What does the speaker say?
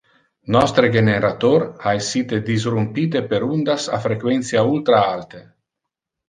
Nostre generator ha essite disrumpite per undas a frequentia ultra alte.